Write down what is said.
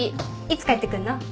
いつ帰ってくんの？